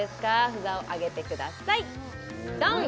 札をあげてくださいドン！